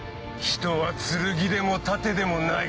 人は剣でも盾でもない。